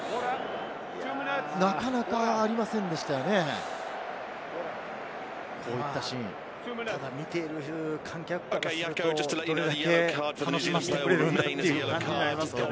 なかなかありませんでしたよね、こういったシーン。見ている観客からすると、どれだけ楽しませてくれるんだという。